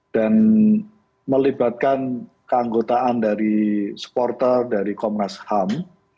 dan melibatkan keanggotaan dari supporter dari komnas ham